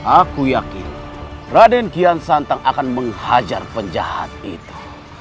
aku yakin raden kian santang akan menghajar penjahat itu